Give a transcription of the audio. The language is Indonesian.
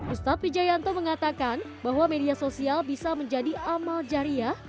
ustadz wijayanto mengatakan bahwa media sosial bisa menjadi amal jariah